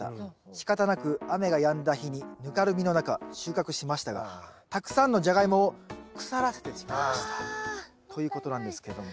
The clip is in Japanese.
しかたなく雨がやんだ日にぬかるみの中収穫しましたがたくさんのジャガイモを腐らせてしまいました」。ということなんですけども。